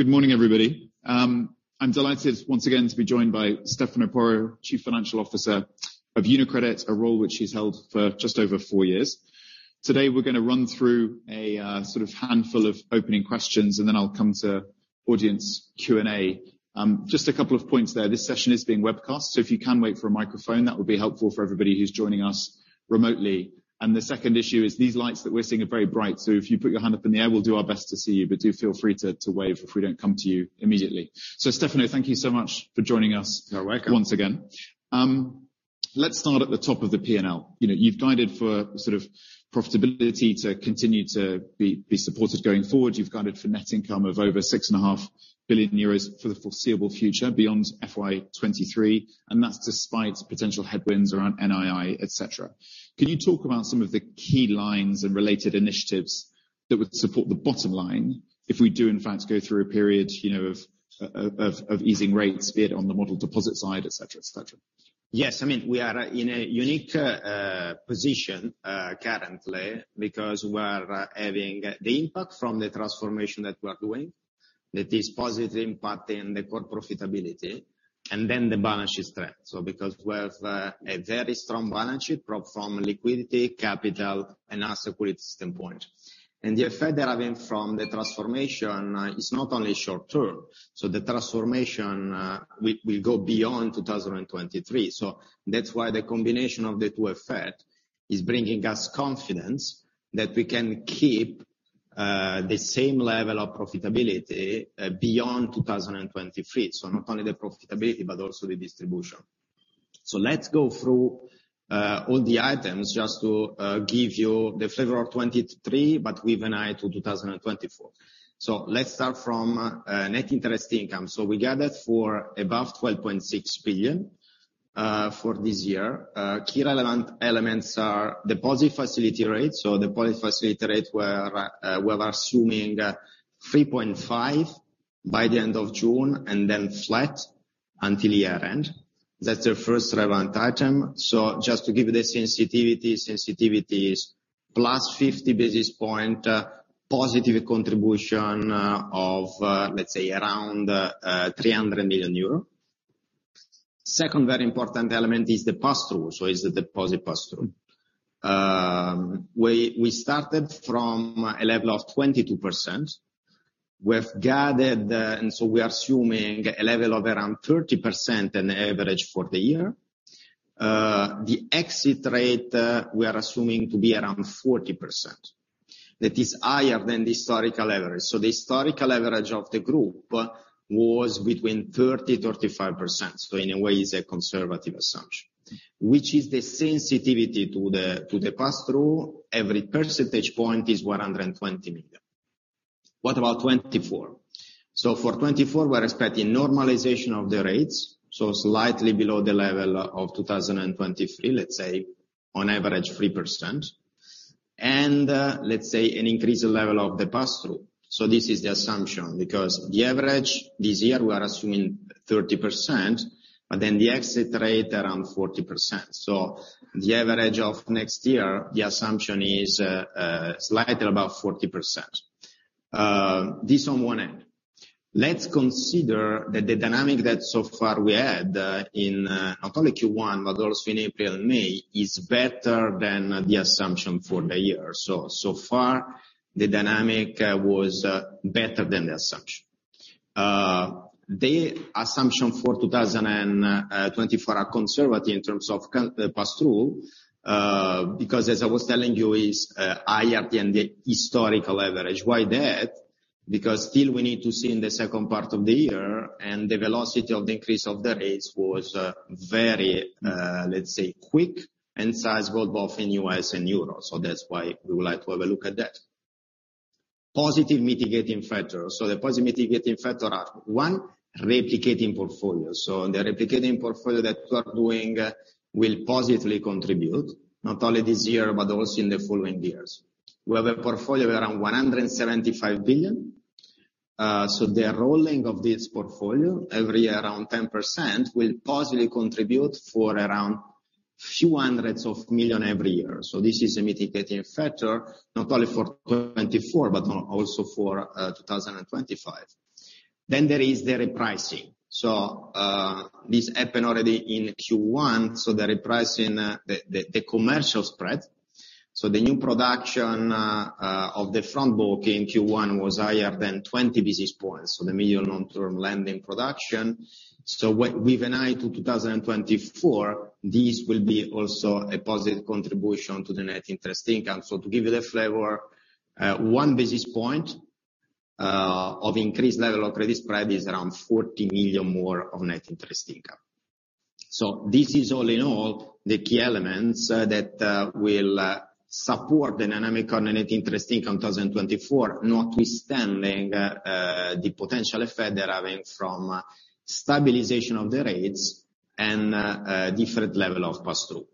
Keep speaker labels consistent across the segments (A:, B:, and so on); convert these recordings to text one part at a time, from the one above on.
A: Good morning, everybody. I'm delighted once again to be joined by Stefano Porro, Chief Financial Officer of UniCredit, a role which he's held for just over four years. Today, we're gonna run through a sort of handful of opening questions, and then I'll come to audience Q&A. Just a couple of points there. This session is being webcast, so if you can wait for a microphone, that would be helpful for everybody who's joining us remotely. The second issue is these lights that we're seeing are very bright, so if you put your hand up in the air, we'll do our best to see you, but do feel free to wave if we don't come to you immediately. Stefano, thank you so much for joining us-
B: You're welcome.
A: Once again. Let's start at the top of the P&L. You know, you've guided for sort of profitability to continue to be supported going forward. You've guided for net income of over 6.5 billion euros for the foreseeable future, beyond FY 2023, and that's despite potential headwinds around NII, et cetera. Can you talk about some of the key lines and related initiatives that would support the bottom line if we do, in fact, go through a period, you know, of easing rates, be it on the model deposit side, et cetera, et cetera?
B: Yes, I mean, we are in a unique position currently, because we're having the impact from the transformation that we are doing, that is positively impacting the core profitability, and then the balance sheet strength. Because we have a very strong balance sheet from liquidity, capital, and a security standpoint. The effect deriving from the transformation is not only short term, the transformation will go beyond 2023. That's why the combination of the two effect is bringing us confidence that we can keep the same level of profitability beyond 2023. Not only the profitability, but also the distribution. Let's go through all the items just to give you the flavor of 2023, but with an eye to 2024. Let's start from net interest income. We guided for above 12.6 billion for this year. Key relevant elements are deposit facility rates, the deposit facility rate we're assuming 3.5% by the end of June, and then flat until year-end. That's the first relevant item. Just to give you the sensitivity is +50 basis point positive contribution of, let's say, around 300 million euro. Second very important element is the pass-through, so is the deposit pass-through. We started from a level of 22%. We've guided, we are assuming a level of around 30% an average for the year. The exit rate we are assuming to be around 40%. That is higher than the historical average. The historical average of the group was between 30%-35%. In a way, it's a conservative assumption. Which is the sensitivity to the pass-through? Every percentage point is 120 million. What about 2024? For 2024, we're expecting normalization of the rates, slightly below the level of 2023, let's say, on average, 3%. Let's say, an increased level of the pass-through. This is the assumption, because the average this year, we are assuming 30%, but then the exit rate around 40%. The average of next year, the assumption is slightly above 40%. This on one end. Let's consider that the dynamic that so far we had in not only Q1, but also in April and May, is better than the assumption for the year. So far, the dynamic was better than the assumption. The assumption for 2024 are conservative in terms of the pass-through, because as I was telling you, is higher than the historical average. Why that? Because still we need to see in the second part of the year, and the velocity of the increase of the rates was very quick and size both in U.S. and euros. That's why we would like to have a look at that. Positive mitigating factor. The positive mitigating factor are, one, replicating portfolios. The replicating portfolio that we are doing will positively contribute, not only this year, but also in the following years. We have a portfolio around 175 billion. The rolling of this portfolio, every year around 10%, will positively contribute for around a few hundreds of million every year. This is a mitigating factor, not only for 2024, but also for 2025. There is the repricing. This happened already in Q1, so the repricing, the commercial spread. The new production of the front book in Q1 was higher than 20 basis points, so the medium-long-term lending production. With an eye to 2024, this will be also a positive contribution to the net interest income. To give you the flavor, 1 basis point of increased level of credit spread is around 40 million more of net interest income. This is all in all, the key elements that will support the dynamic on net interest income in 2024, notwithstanding the potential effect deriving from stabilization of the rates and a different level of pass-through.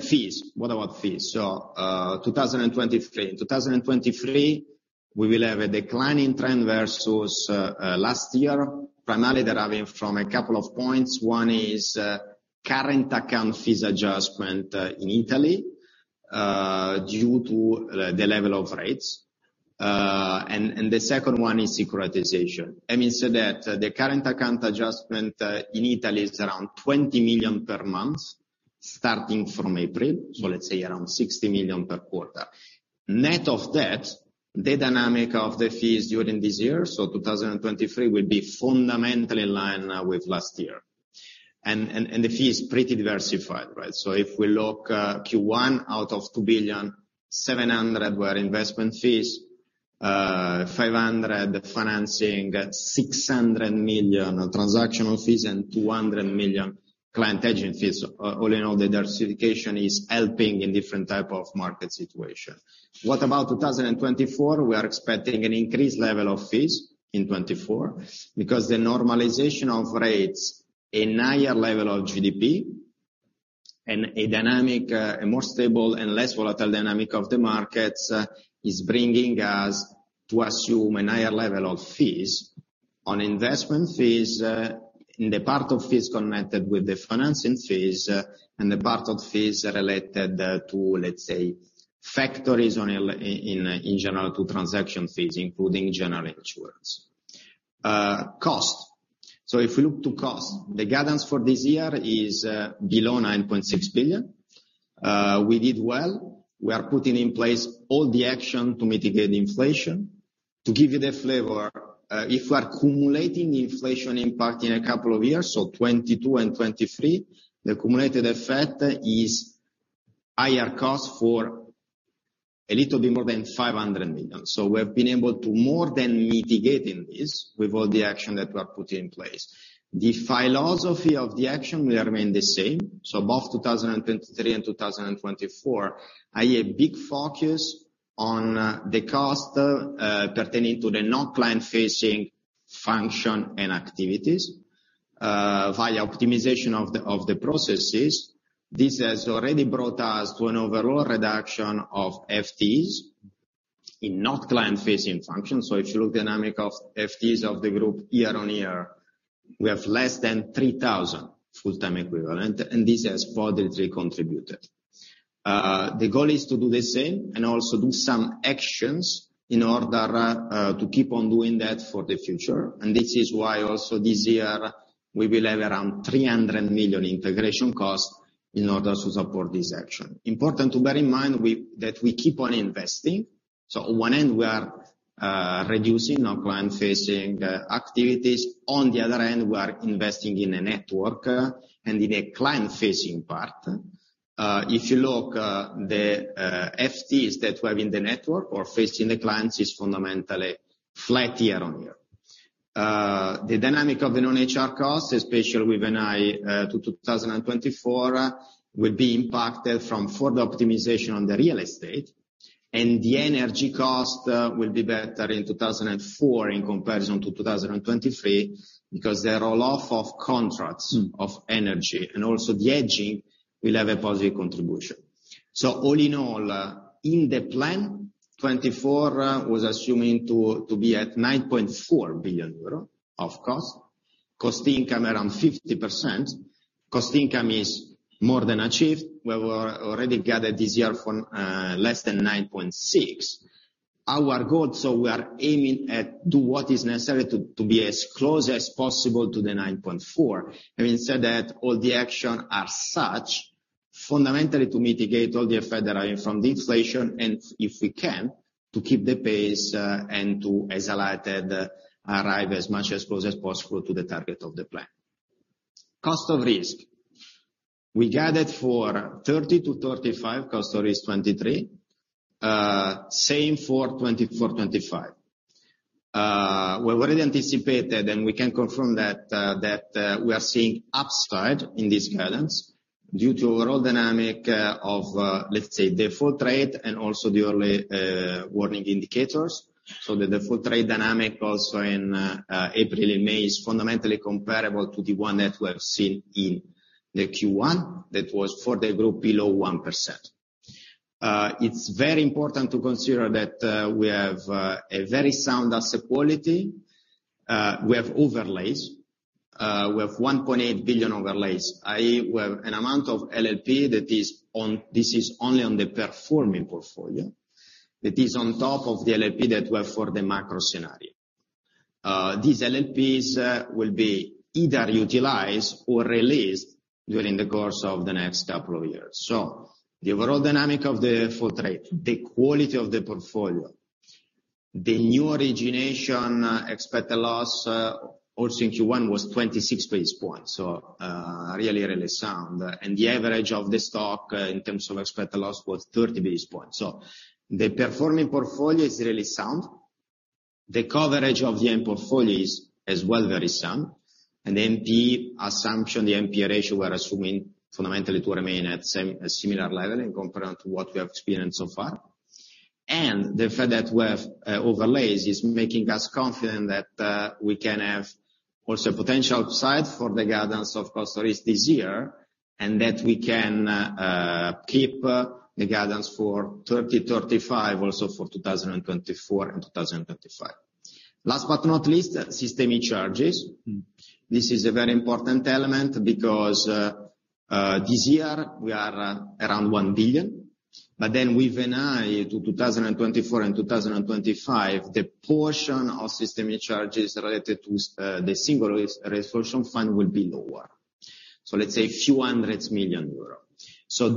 B: Fees. What about fees? 2023. In 2023, we will have a declining trend versus last year, primarily deriving from a couple of points. One is current account fees adjustment in Italy due to the level of rates. The second one is securitization. I mean, the current account adjustment in Italy is around 20 million per month, starting from April, so let's say around 60 million per quarter. Net of that, the dynamic of the fees during this year, so 2023, will be fundamentally in line with last year. The fee is pretty diversified, right? If we look, Q1 out of 2.7 billion, 700 million were investment fees, 500 million financing, 600 million transactional fees, and 200 million client agent fees. All in all, the diversification is helping in different type of market situation. What about 2024? We are expecting an increased level of fees in 2024, because the normalization of rates, a higher level of GDP, and a dynamic, a more stable and less volatile dynamic of the markets, is bringing us to assume a higher level of fees. On investment fees, in the part of fees connected with the financing fees, and the part of fees related, to, let's say, factories in general, to transaction fees, including general insurance. Cost. If we look to cost, the guidance for this year is below 9.6 billion. We did well. We are putting in place all the action to mitigate inflation. To give you the flavor, if we are accumulating inflation impact in a couple of years, so 2022 and 2023, the accumulated effect is higher cost for a little bit more than 500 million. We have been able to more than mitigating this with all the action that we are putting in place. The philosophy of the action will remain the same. Both 2023 and 2024, i.e., a big focus on the cost pertaining to the non-client facing function and activities via optimization of the processes. This has already brought us to an overall reduction of FTEs in non-client facing functions. If you look dynamic of FTEs of the group year on year, we have less than 3,000 full-time equivalent, and this has positively contributed. The goal is to do the same and also do some actions in order to keep on doing that for the future. This is why also this year, we will have around 300 million integration costs in order to support this action. Important to bear in mind that we keep on investing. On one end, we are reducing our client-facing activities. On the other end, we are investing in a network and in a client-facing part. If you look, the FTEs that were in the network or facing the clients is fundamentally flat year-over-year. The dynamic of the non-HR costs, especially with an eye to 2024, will be impacted from further optimization on the real estate, and the energy cost will be better in 2004 in comparison to 2023, because they are all off of contracts of energy, and also the hedging will have a positive contribution. All in all, in the plan, 2024 was assuming to be at 9.4 billion euro of cost-income ratio around 50%. Cost-income is more than achieved. We were already gathered this year for less than 9.6. Our goal, so we are aiming at do what is necessary to be as close as possible to the 9.4. Having said that, all the action are such, fundamentally to mitigate all the effect arising from the inflation, if we can, to keep the pace, and to, as highlighted, arrive as much as close as possible to the target of the plan. Cost of risk. We gathered for 30-35, cost of risk 23. Same for 2024, 2025. We already anticipated, and we can confirm that, we are seeing upside in this guidance due to overall dynamic of, let's say, the trading income and also the early warning indicators. The default trade dynamic also in April and May is fundamentally comparable to the one that we have seen in the Q1. That was for the group below 1%. It's very important to consider that we have a very sound asset quality. We have overlays. We have 1.8 billion overlays, i.e., we have an amount of LLP. This is only on the performing portfolio. That is on top of the LLP that were for the macro scenario. These LLPs will be either utilized or released during the course of the next couple of years. The overall dynamic of the trading income, the quality of the portfolio, the new origination, expected loss also in Q1, was 26 basis points, so really sound. The average of the stock in terms of expected loss was 30 basis points. So the performing portfolio is really sound. The coverage of the NPL portfolio is as well, very sound. Then the assumption, the NPL ratio, we're assuming fundamentally to remain at a similar level compared to what we have experienced so far. The fact that we have overlays is making us confident that we can have also potential upside for the guidance of cost of risk this year, and that we can keep the guidance for 30-35, also for 2024 and 2025. Last but not least, systemic charges. This is a very important element because this year we are around 1 billion. With an eye to 2024 and 2025, the portion of systemic charges related to the Single Resolution Fund will be lower. Let's say a few hundreds million EUR.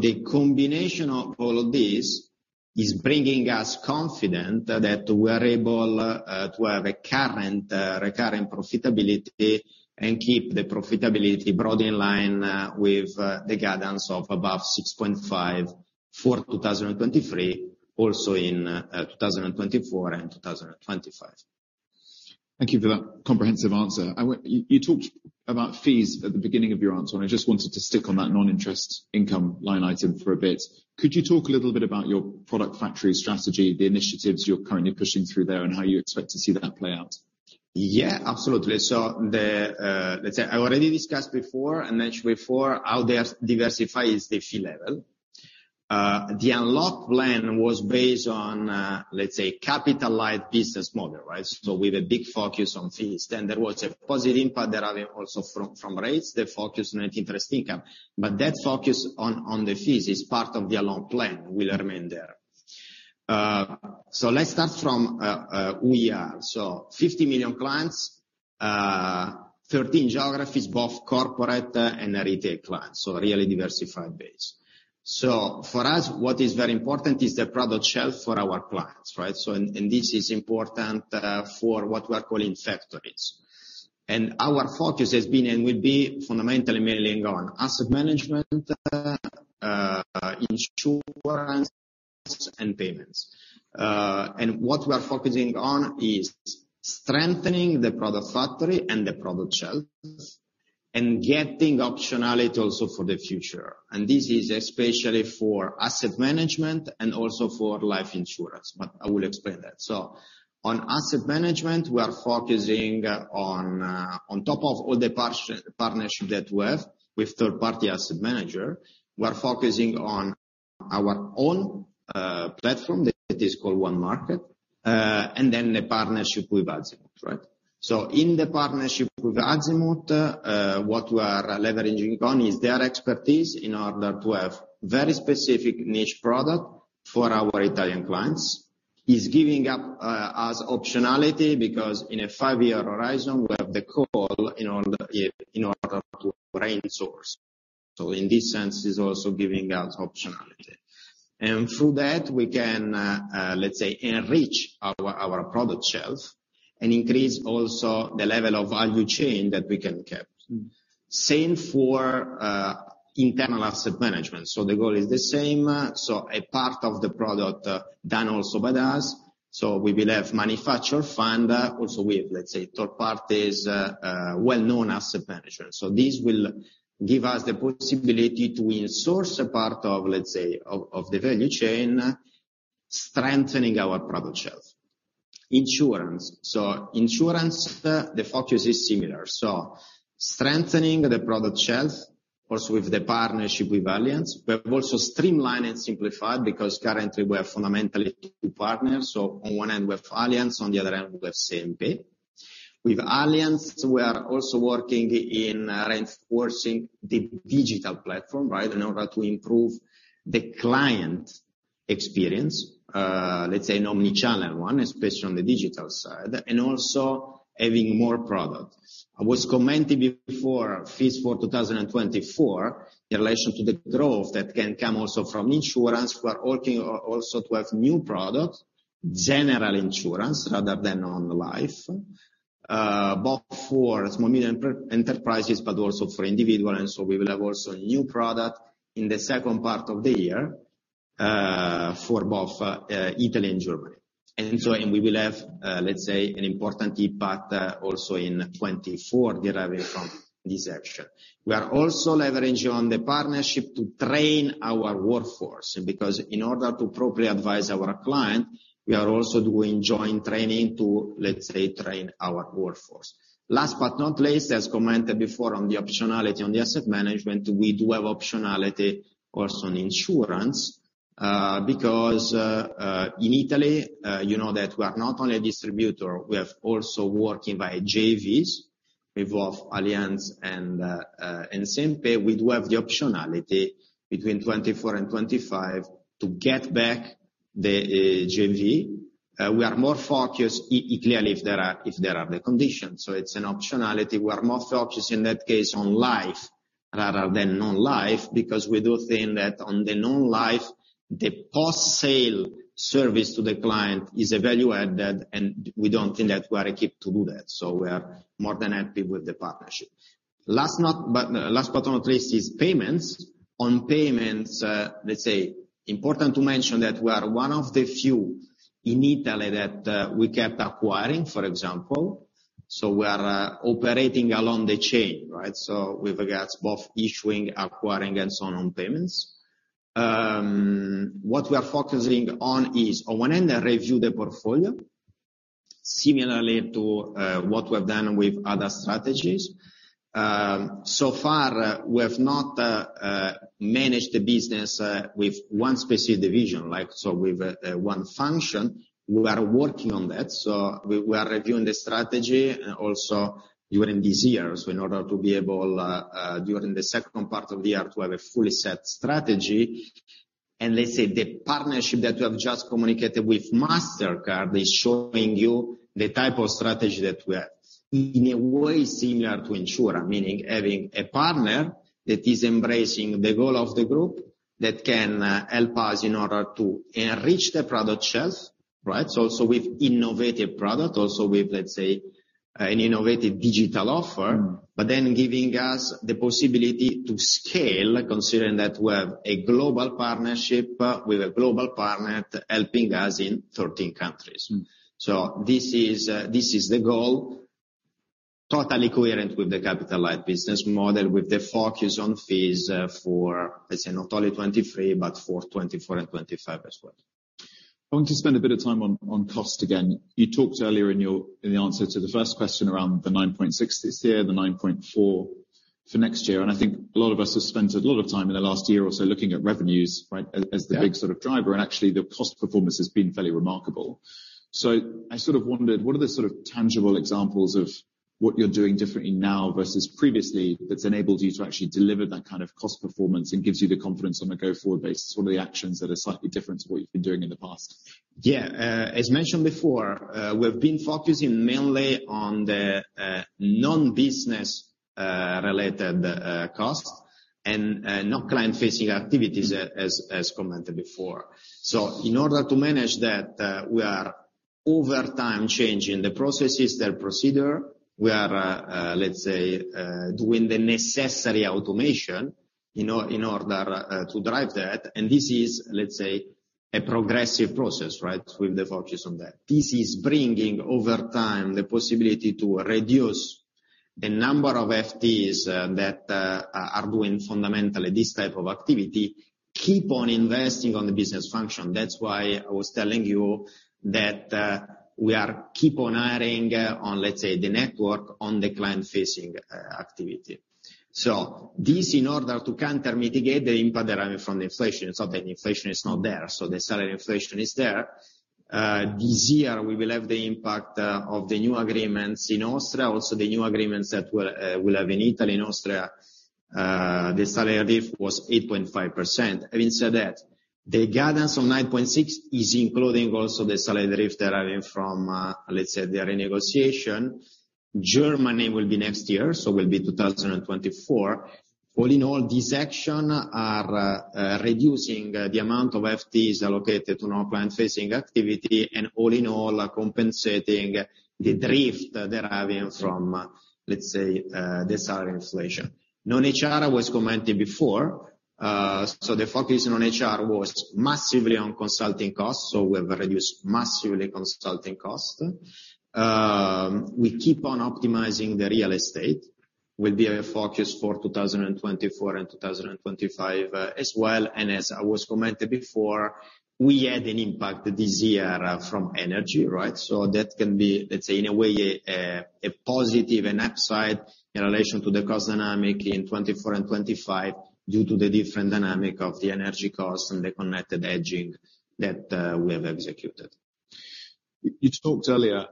B: The combination of all of this is bringing us confident that we are able to have a current recurring profitability, and keep the profitability broadly in line with the guidance of above 6.5% for 2023, also in 2024 and 2025.
A: Thank you for that comprehensive answer. You talked about fees at the beginning of your answer, and I just wanted to stick on that non-interest income line item for a bit. Could you talk a little bit about your product factory strategy, the initiatives you're currently pushing through there, and how you expect to see that play out?
B: Yeah, absolutely. The, let's say I already discussed before, and actually before, how they are diversify is the fee level. The Unlock plan was based on, let's say, capital-light business model, right? With a big focus on fees. There was a positive impact there also from rates, the focus on interest income. That focus on the fees is part of the Unlock plan, will remain there. Let's start from who we are. 50 million clients, 13 geographies, both corporate and retail clients, a really diversified base. For us, what is very important is the product shelf for our clients, right? And this is important for what we are calling factories. Our focus has been and will be fundamentally mainly on asset management, insurance and payments. What we are focusing on is strengthening the product factory and the product shelves, and getting optionality also for the future. This is especially for asset management and also for life insurance, but I will explain that. On asset management, we are focusing on on top of all the partnership that we have with third-party asset manager, we are focusing on our own platform, that is called onemarkets, and then the partnership with Azimut, right? In the partnership with Azimut, what we are leveraging on is their expertise in order to have very specific niche product for our Italian clients. Is giving up as optionality, because in a five-year horizon, we have the call in order to resource. In this sense, is also giving us optionality. Through that, we can, let's say, enrich our product shelf and increase also the level of value chain that we can keep. Same for internal asset management. The goal is the same, so a part of the product done also by us. We will have manufacture fund. Also, with, let's say, third parties, well-known asset management. This will give us the possibility to in-source a part of, let's say, of the value chain, strengthening our product shelf. Insurance. Insurance, the focus is similar. Strengthening the product shelf, also with the partnership with Allianz. We've also streamlined and simplified, because currently we are fundamentally partners. On one end, we have Allianz, on the other end, we have CNP. With Allianz, we are also working in reinforcing the digital platform, right? In order to improve the client experience, let's say an omnichannel one, especially on the digital side, and also having more products. I was commenting before, fees for 2024, in relation to the growth that can come also from insurance. We are working also to have new products, general insurance, rather than on life, both for small, medium enterprises, but also for individual. We will have also a new product in the second part of the year, for both Italy and Germany. We will have, let's say, an important impact, also in 2024, deriving from this action. We are also leveraging on the partnership to train our workforce, because in order to properly advise our client, we are also doing joint training to, let's say, train our workforce. Last but not least, as commented before on the optionality on the asset management, we do have optionality also on insurance. In Italy, you know that we are not only a distributor, we have also working by JVs with both Allianz and CNP. We do have the optionality between 2024 and 2025 to get back the JV. We are more focused clearly, if there are the conditions. So it's an optionality. We are more focused in that case, on life rather than non-life, because we do think that on the non-life, the post-sale service to the client is a value added, and we don't think that we are equipped to do that. So we are more than happy with the partnership. Last but not least, is payments. On payments, let's say, important to mention that we are one of the few in Italy that we kept acquiring, for example. We are operating along the chain, right? We've got both issuing, acquiring, and so on payments. What we are focusing on is, on one end, review the portfolio, similarly to what we've done with other strategies. So far, we have not managed the business with one specific division, like so with one function. We are working on that, so we are reviewing the strategy, also during these years, in order to be able during the second part of the year, to have a fully set strategy. Let's say the partnership that we have just communicated with Mastercard is showing you the type of strategy that we have. In a way, similar to insurer, meaning having a partner that is embracing the goal of the group, that can help us in order to enrich the product shelf, right? With innovative product, also with, let's say, an innovative digital offer, giving us the possibility to scale, considering that we have a global partnership with a global partner helping us in 13 countries.
A: Mm.
B: This is the goal, totally coherent with the capital-light business model, with the focus on fees for, let's say, not only 2023, but for 2024 and 2025 as well.
A: I want to spend a bit of time on cost again. You talked earlier in the answer to the first question around the 9.6 this year, the 9.4 for next year. I think a lot of us have spent a lot of time in the last year or so looking at revenues, right? As the.
B: Yeah...
A: Big sort of driver, and actually, the cost performance has been fairly remarkable. I sort of wondered, what are the sort of tangible examples of what you're doing differently now versus previously, that's enabled you to actually deliver that kind of cost performance and gives you the confidence on a go-forward basis? What are the actions that are slightly different to what you've been doing in the past?
B: Yeah. As mentioned before, we've been focusing mainly on the non-business related costs and not client-facing activities, as commented before. In order to manage that, we are over time changing the processes, the procedure. We are doing the necessary automation in order to drive that, and this is a progressive process, right? With the focus on that. This is bringing, over time, the possibility to reduce the number of FTEs that are doing fundamentally this type of activity, keep on investing on the business function. That's why I was telling you that we are keep on adding on the network, on the client-facing activity. This, in order to counter mitigate the impact arriving from the inflation. It's not that inflation is not there, the salary inflation is there. This year, we will have the impact of the new agreements in Austria, also the new agreements that will have in Italy and Austria, the salary rate was 8.5%. Having said that, the guidance of 9.6% is including also the salary drift arriving from, let's say, the renegotiation. Germany will be next year, will be 2024. All in all, this action are reducing the amount of FTEs allocated to non-client-facing activity, and all in all, are compensating the drift deriving from, let's say, the salary inflation. Non-HR, I was commenting before, the focus on HR was massively on consulting costs, we have reduced massively consulting costs. We keep on optimizing the real estate, with the focus for 2024 and 2025 as well. As I was commented before, we had an impact this year from energy, right? That can be, let's say, in a way, a positive, an upside, in relation to the cost dynamic in 2024 and 2025, due to the different dynamic of the energy costs and the connected hedging that we have executed.
A: You talked earlier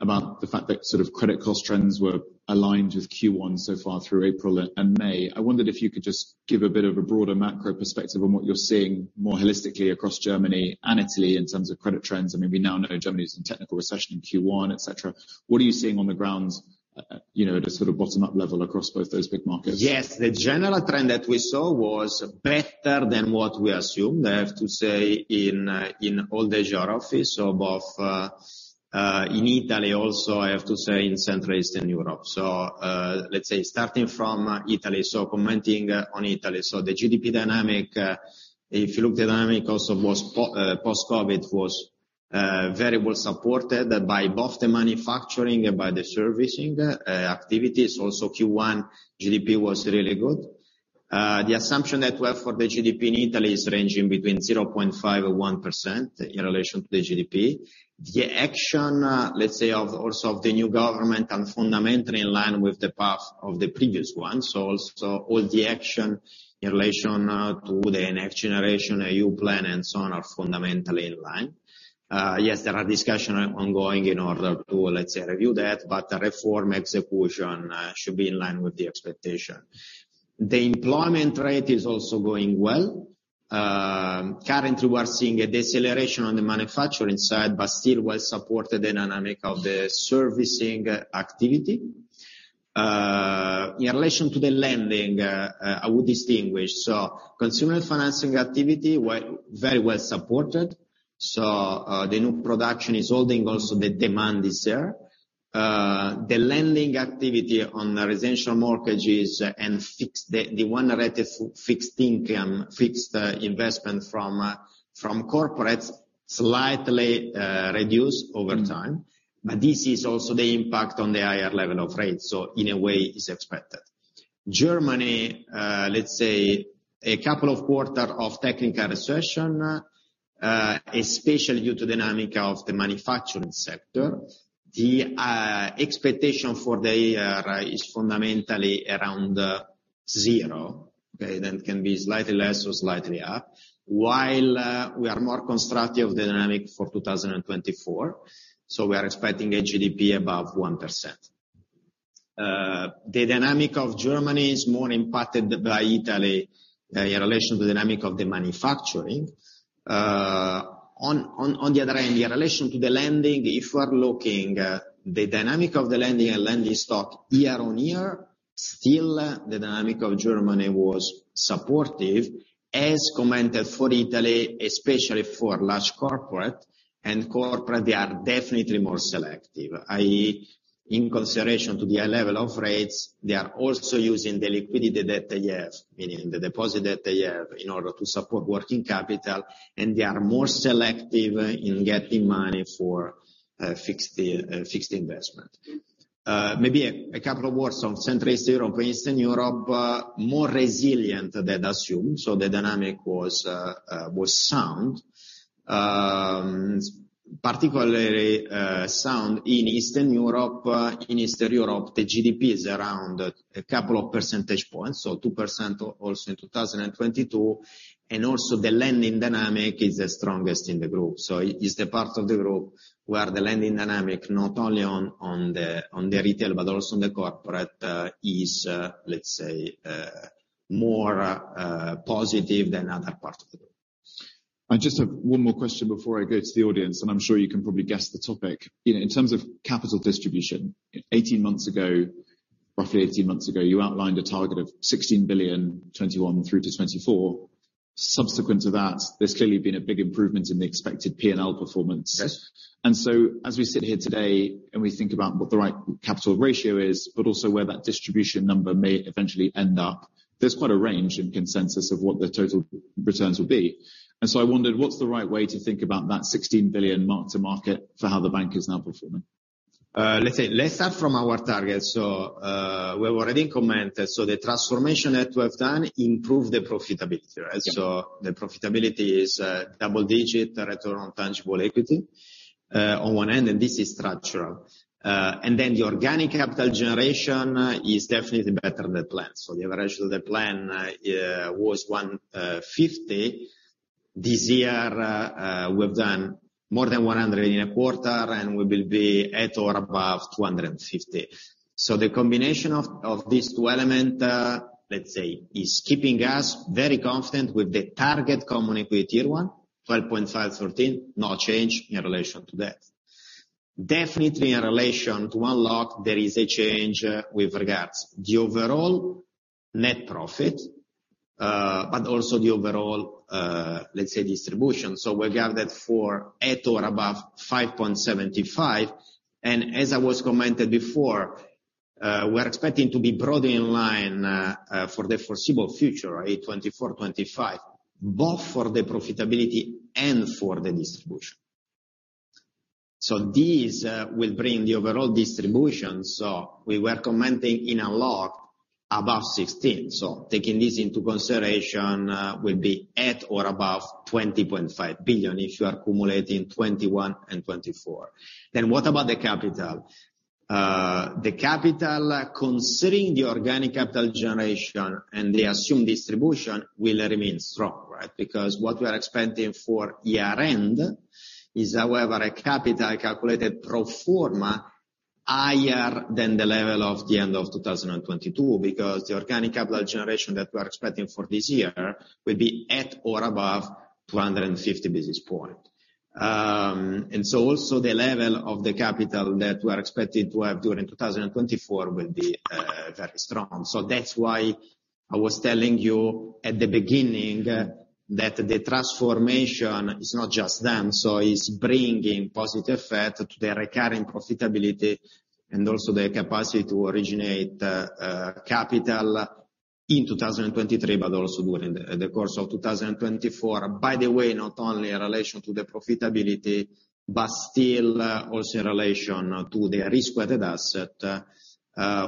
A: about the fact that sort of credit cost trends were aligned with Q1 so far through April and May. I wondered if you could just give a bit of a broader macro perspective on what you're seeing more holistically across Germany and Italy in terms of credit trends. I mean, we now know Germany is in technical recession in Q1, et cetera. What are you seeing on the grounds, you know, at a sort of bottom-up level across both those big markets?
B: Yes. The general trend that we saw was better than what we assumed, I have to say, in all the geographies, so both in Italy, also, I have to say, in Central Eastern Europe. Let's say, starting from Italy, commenting on Italy. The GDP dynamic, if you look, the dynamic also was post-COVID was very well supported by both the manufacturing and by the servicing activities. Also, Q1 GDP was really good. The assumption that we have for the GDP in Italy is ranging between 0.5% and 1% in relation to the GDP. The action, let's say, of also of the new government are fundamentally in line with the path of the previous one. All the action in relation to the NextGenerationEU plan, and so on, are fundamentally in line. Yes, there are discussion ongoing in order to, let's say, review that, the reform execution should be in line with the expectation. The employment rate is also going well. Currently, we are seeing a deceleration on the manufacturing side, still well supported the dynamic of the servicing activity. In relation to the lending, I would distinguish. Consumer financing activity were very well supported, the new production is holding. The demand is there. The lending activity on the residential mortgages and fixed the one rate of fixed income, fixed investment from corporates, slightly reduced over time. This is also the impact on the higher level of rates, so in a way, it's expected. Germany, let's say a couple of quarter of technical recession, especially due to dynamic of the manufacturing sector. The expectation for the year is fundamentally around zero, okay? Can be slightly less or slightly up, while we are more constructive the dynamic for 2024, we are expecting a GDP above 1%. The dynamic of Germany is more impacted by Italy, in relation to the dynamic of the manufacturing. On the other hand, in relation to the lending, if you are looking, the dynamic of the lending and lending stock year-over-year, still, the dynamic of Germany was supportive, as commented for Italy, especially for large corporate. Corporate, they are definitely more selective, i.e., in consideration to the level of rates, they are also using the liquidity that they have, meaning the deposit that they have, in order to support working capital, and they are more selective in getting money for fixed investment. Maybe a couple of words on Central Europe or Eastern Europe, more resilient than assumed, so the dynamic was sound. Particularly sound in Eastern Europe. In Eastern Europe, the GDP is around a couple of percentage points, so 2% also in 2022, and also the lending dynamic is the strongest in the group. It is the part of the group where the lending dynamic, not only on the retail, but also on the corporate, is, let's say, more positive than other parts of the group.
A: I just have one more question before I go to the audience. I'm sure you can probably guess the topic. You know, in terms of capital distribution, 18 months ago, roughly 18 months ago, you outlined a target of 16 billion, 2021 through to 2024. Subsequent to that, there's clearly been a big improvement in the expected P&L performance.
B: Yes.
A: As we sit here today and we think about what the right capital ratio is, but also where that distribution number may eventually end up, there's quite a range in consensus of what the total returns will be. I wondered, what's the right way to think about that 16 billion mark to market for how the bank is now performing?
B: let's say, let's start from our target. We've already commented, so the transformation that we've done improved the profitability, right?
A: Yeah.
B: The profitability is double digit Return on Tangible Equity on one end, and this is structural. The organic capital generation is definitely better than planned. The average of the plan was 150. This year, we've done more than 100 in a quarter, and we will be at or above 250. The combination of these two elements, let's say, is keeping us very confident with the target Common Equity Tier 1, 12.5, 13, no change in relation to that. Definitely, in relation to UniCredit Unlocked, there is a change with regards the overall net profit, but also the overall, let's say, distribution. We guided for at or above 5.75, and as I was commented before, we're expecting to be broadly in line for the foreseeable future, right, 2024, 2025, both for the profitability and for the distribution. These will bring the overall distribution, so we were commenting in a lot about 16. Taking this into consideration, will be at or above 20.5 billion if you are accumulating 2021 and 2024. What about the capital? The capital, considering the organic capital generation and the assumed distribution, will remain strong, right? What we are expecting for year end is, however, a capital calculated pro forma higher than the level of the end of 2022, because the organic capital generation that we are expecting for this year will be at or above 250 basis point. Also the level of the capital that we are expected to have during 2024 will be very strong. That's why I was telling you at the beginning that the transformation is not just them. It's bringing positive effect to the recurring profitability and also the capacity to originate capital in 2023, but also during the course of 2024. By the way, not only in relation to the profitability, but still, also in relation to the risk-weighted asset,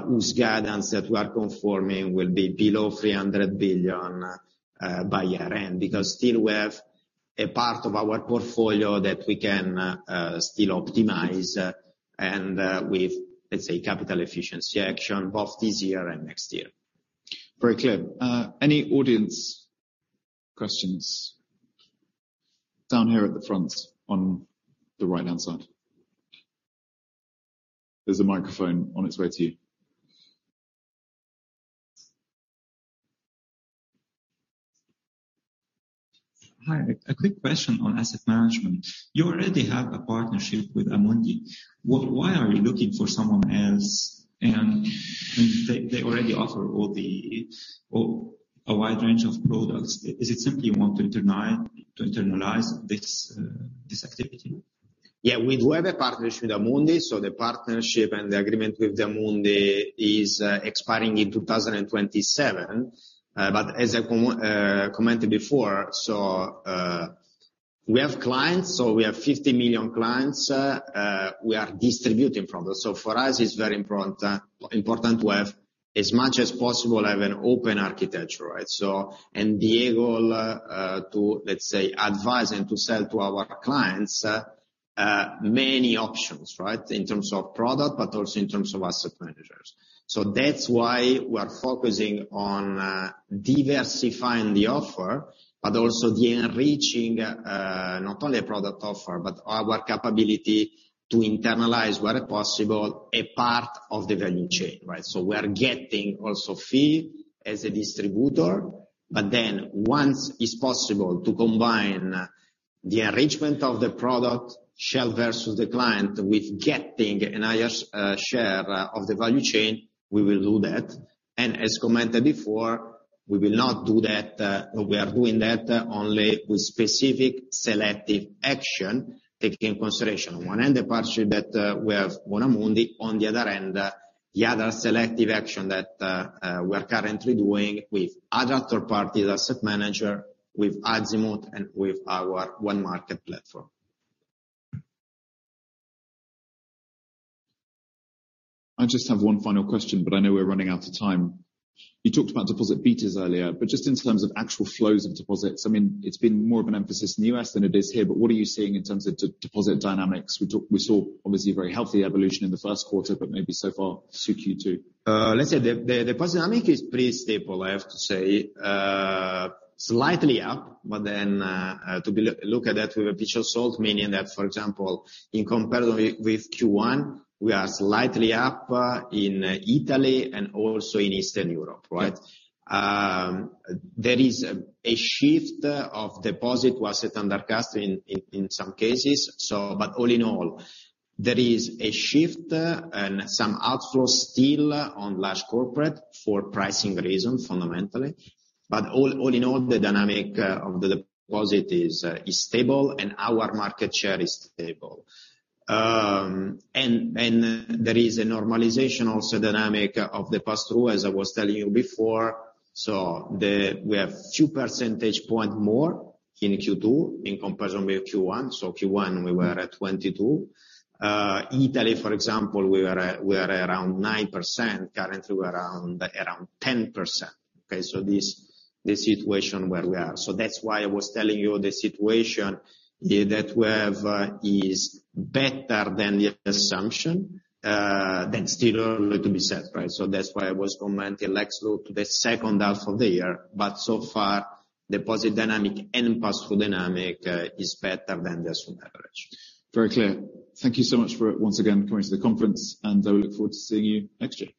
B: whose guidance that we are conforming will be below 300 billion by year-end. Still we have a part of our portfolio that we can still optimize, and with, let's say, capital efficiency action, both this year and next year.
A: Very clear. Any audience questions? Down here at the front on the right-hand side. There's a microphone on its way to you.
C: Hi, a quick question on asset management. You already have a partnership with Amundi. Why are you looking for someone else, and they already offer a wide range of products? Is it simply you want to internalize this activity?
B: Yeah, we do have a partnership with Amundi. The partnership and the agreement with Amundi is expiring in 2027. As I commented before, we have clients. We have 50 million clients we are distributing from. For us, it's very important to have as much as possible, have an open architecture, right? Be able to, let's say, advise and to sell to our clients many options, right? In terms of product, also in terms of asset managers. That's why we are focusing on diversifying the offer, but also the enriching not only product offer, but our capability to internalize, where possible, a part of the value chain, right? We are getting also fee as a distributor. Once it's possible to combine the arrangement of the product, shelf versus the client, with getting a higher share of the value chain, we will do that. As commented before, we will not do that, we are doing that only with specific selective action, taking in consideration, on one hand, the partnership that we have Amundi. On the other hand, the other selective action that we are currently doing with other third party asset manager, with Azimut, and with our onemarkets platform.
A: I just have one final question, but I know we're running out of time. You talked about deposit betas earlier, but just in terms of actual flows of deposits, I mean, it's been more of an emphasis in the U.S. than it is here, but what are you seeing in terms of deposit dynamics? We saw obviously a very healthy evolution in the first quarter, but maybe so far through Q2.
B: Let's say the deposit dynamic is pretty stable, I have to say. Slightly up, look at that with a pinch of salt, meaning that, for example, in comparison with Q1, we are slightly up in Italy and also in Eastern Europe, right? There is a shift of deposit to assets under custody in some cases, but all in all, there is a shift and some outflow still on large corporate for pricing reasons, fundamentally. All in all, the dynamic of the deposit is stable, and our market share is stable. There is a normalization also dynamic of the pass-through, as I was telling you before. The... We have 2 percentage point more in Q2 in comparison with Q1. Q1, we were at 22. Italy, for example, we were around 9%. Currently, we're around 10%. Okay, this, the situation where we are. That's why I was telling you the situation that we have is better than the assumption, but still a little bit to be set, right? That's why I was commenting let's go to the second half of the year, but so far, the positive dynamic and pass-through dynamic is better than just on average.
A: Very clear. Thank you so much for, once again, coming to the conference, and I look forward to seeing you next year.